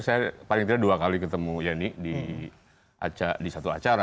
saya paling tidak dua kali ketemu yeni di satu acara